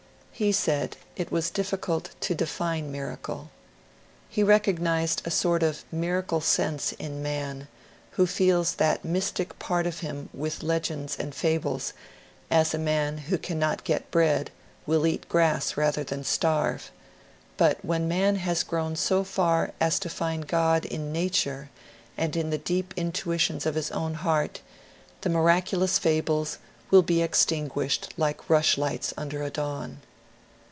He said it was difficult to define miracle. He recog nized a sort of miracle sense in man, who feeds that mystic part of him with legends and fables, as a man who cannot get bread will eat grass rather than starve ; but when man has grown so far as to find God in nature, and in the deep intuitions of his own heart, the miraculous fables will be ex tinguished like rushlights under a dawn.